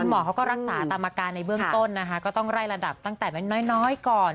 หมอเขาก็รักษาตามอาการในเบื้องต้นนะคะก็ต้องไล่ระดับตั้งแต่น้อยก่อน